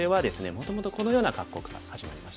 もともとこのような格好から始まりましたね。